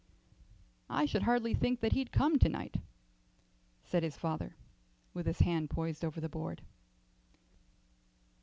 "I should hardly think that he'd come to night," said his father, with his hand poised over the board.